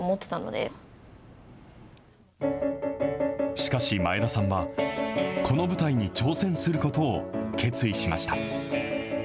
しかし前田さんは、この舞台に挑戦することを決意しました。